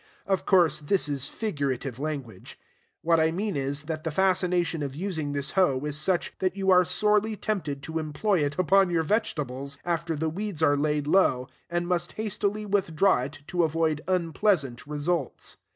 Of course, this is figurative language. What I mean is, that the fascination of using this hoe is such that you are sorely tempted to employ it upon your vegetables, after the weeds are laid low, and must hastily withdraw it, to avoid unpleasant results.